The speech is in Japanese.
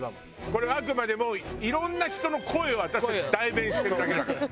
これはあくまでもいろんな人の声を私たち代弁してるだけだから。